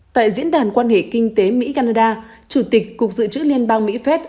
tại diễn đàn quan hệ kinh tế mỹ canada chủ tịch cục dự trữ liên bang mỹ phép